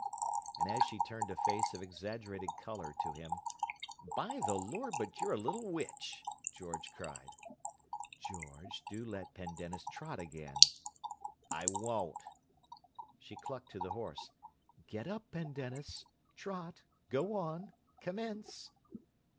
And as she turned a face of exaggerated color to him, "By the Lord, but you're a little witch!" George cried. "George, do let Pendennis trot again!" "I won't!" She clucked to the horse. "Get up, Pendennis! Trot! Go on! Commence!"